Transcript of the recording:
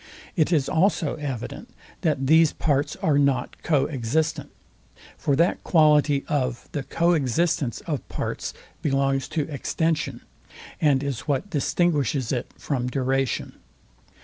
It is also evident, that these parts are not co existent: For that quality of the co existence of parts belongs to extension, and is what distinguishes it from duration.